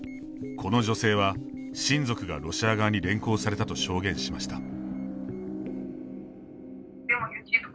この女性は、親族がロシア側に連行されたと証言しました。